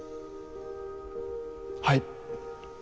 はい。